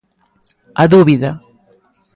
A dúbida.